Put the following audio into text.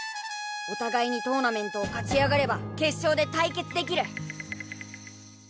お互いにトーナメントを勝ち上がれば決勝で対決できる。